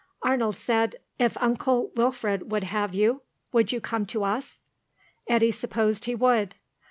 Arnold said, "If Uncle Wilfred would have you, would you come to us?" Eddy supposed he would.